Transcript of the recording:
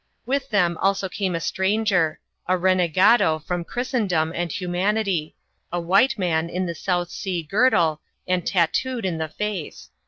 With them also came a stranger, a renegado from Christendom and humanity — a white man in the South Sea girdle, and tattooed in the face.